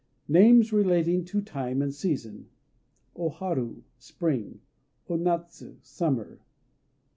NAMES RELATING TO TIME AND SEASON O Haru "Spring." O Natsu "Summer."